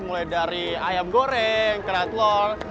mulai dari ayam goreng kerat telur